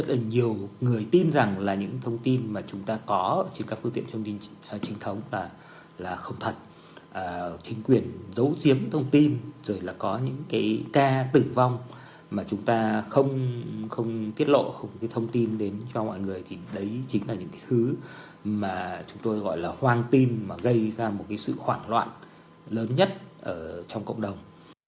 thông tin đến cho mọi người thì đấy chính là những thứ mà chúng tôi gọi là hoang tin mà gây ra một sự khoảng loạn lớn nhất trong cộng đồng